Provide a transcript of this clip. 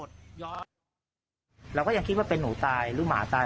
เราก็ยังคิดว่าเป็นหนูตายหรือหมาตาย